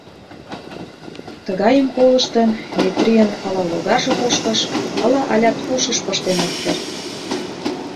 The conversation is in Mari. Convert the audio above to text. Тыгайым колыштын, Метрийын ала логарже кошкыш, ала алят ушыш пыштен ок керт.